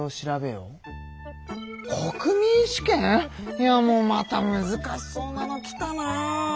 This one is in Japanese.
いやもうまたむずかしそうなのきたなあ。